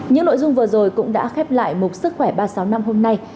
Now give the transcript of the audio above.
những nội dung vừa rồi cũng đã khép lại mục sức khỏe ba trăm sáu mươi năm hôm nay